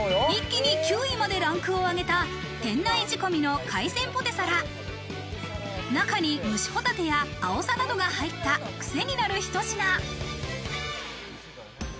一気に９位までランクを上げた、店内仕込の海鮮ポテサラ、中に蒸しホタテや、あおさなどが入ったくせになるひと品。